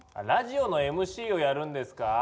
ラジオのＭＣをやるんですか？